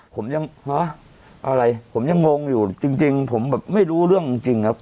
ผมยังฮะอะไรผมยังงงอยู่จริงผมแบบไม่รู้เรื่องจริงครับ